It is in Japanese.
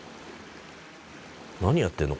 何やってんの？